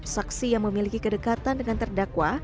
saksi yang memiliki kedekatan dengan terdakwa